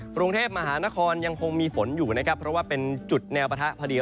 กรุงเทพมหานครยังคงมีฝนอยู่นะครับเพราะว่าเป็นจุดแนวปะทะพอดี